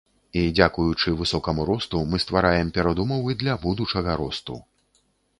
І дзякуючы высокаму росту мы ствараем перадумовы для будучага росту.